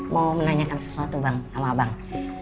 mau menanyakan sesuatu bang sama bang